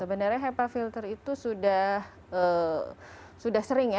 sebenarnya hepa filter itu sudah sering ya